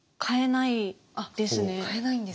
変えないんですね。